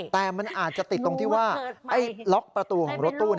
แต่มันอาจจะติดตรงที่ว่าล็อกประตูของรถตู้